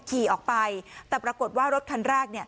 ขี่ออกไปแต่ปรากฏว่ารถคันแรกเนี่ย